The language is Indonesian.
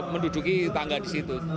menduduki tangga di situ